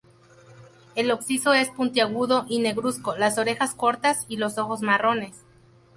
El hocico es puntiagudo y negruzco, las orejas cortas y los ojos marrones.